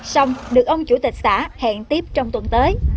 xong được ông chủ tịch xã hẹn tiếp trong tuần tới